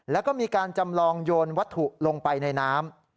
แล้วก็มีการจำลองโยนวัตถุลงไปในน้ำ